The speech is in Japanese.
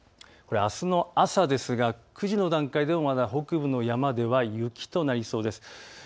あすの朝ですが９時の段階でもまだ北部の山では雪となりそうです。